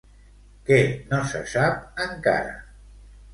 Què no se sap encara?